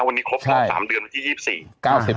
วันนี้ครบรอบ๓เดือนวันที่๒๔